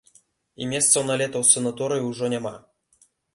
І месцаў на лета ў санаторыі ўжо няма!